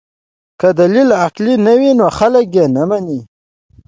که دلیل عقلي نه وي نو خلک یې نه مني.